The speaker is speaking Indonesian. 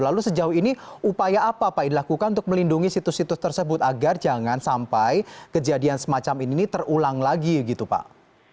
lalu sejauh ini upaya apa pak yang dilakukan untuk melindungi situs situs tersebut agar jangan sampai kejadian semacam ini terulang lagi gitu pak